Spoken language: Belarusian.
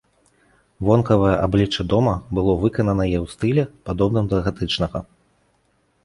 Вонкавае аблічча дома было выкананае ў стылі, падобным да гатычнага.